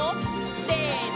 せの！